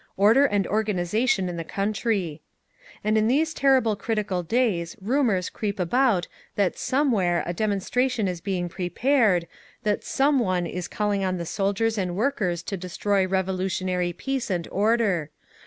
Order and organisation in the country…. "And in these terrible critical days rumours creep about that SOMEWHERE a demonstration is being prepared, that SOME ONE is calling on the soldiers and workers to destroy revolutionary peace and order….